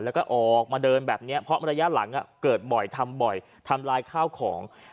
แล้วก็ออกมาเดินแบบนี้เพราะระยะหลังเกิดบ่อยทำบ่อยทำลายข้าวของ